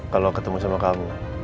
kalau ketemu sama kamu